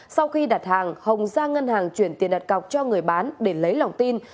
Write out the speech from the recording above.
sau khi đặt hàng hồng ra ngân hàng chuyển tiền đặt cọc cho người bán để lấy lòng tin